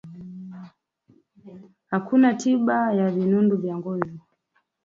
Hakuna tiba ya vinundu vya ngozi